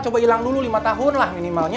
coba hilang dulu lima tahun lah minimalnya